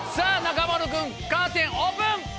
中丸君カーテンオープン。